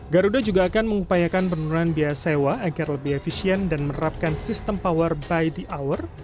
garuda juga akan mengupayakan penurunan biaya sewa agar lebih efisien dan menerapkan sistem power by the hour